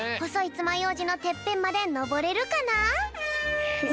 つまようじのてっぺんまでのぼれるかな？